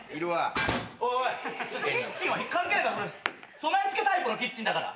備え付けタイプのキッチンだから。